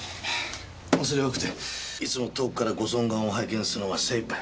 恐れ多くていつも遠くからご尊顔を拝見するのが精一杯。